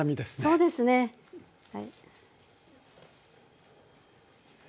そうですねはい。